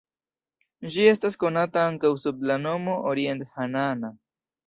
Ĝi estas konata ankaŭ sub la nomo orient-ĥanaana.